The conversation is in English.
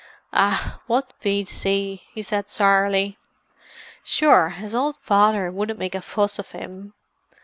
"Ah, what V.C.!" he said sourly. "Sure, his owld father wouldn't make a fuss of him.